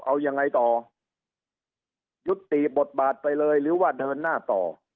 เอายังไงต่อยุติบทบาทไปเลยหรือว่าเดินหน้าต่อ